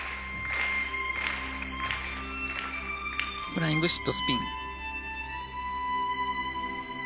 フライングシットスピン。